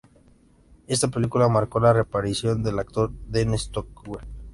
Esta película marcó la reaparición del actor Dean Stockwell.